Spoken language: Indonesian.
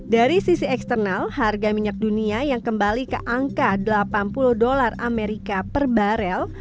dari sisi eksternal harga minyak dunia yang kembali ke angka delapan puluh dolar amerika per barel